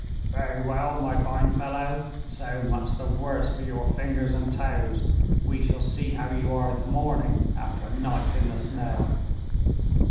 "Very well, my fine fellow, so much the worse for your fingers and toes. We shall see how you are in the morning after a night in the snow."